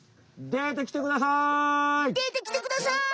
でてきてください！